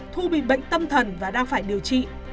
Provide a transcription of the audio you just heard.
thu bị bệnh tâm thần và đang phải điều trị